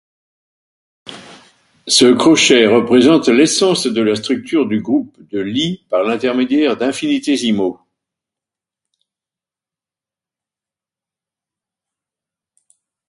Ce crochet représente l'essence de la structure du groupe de Lie par l'intermédiaire d'infinitésimaux.